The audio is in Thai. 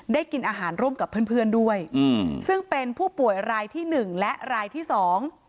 กินอาหารร่วมกับเพื่อนเพื่อนด้วยอืมซึ่งเป็นผู้ป่วยรายที่หนึ่งและรายที่สอง